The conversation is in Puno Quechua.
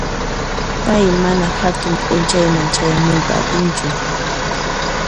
Pay mana hatun p'unchayman chayamuyta atinchu.